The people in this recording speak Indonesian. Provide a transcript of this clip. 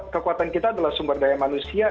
kekuatan kita adalah sumber daya manusia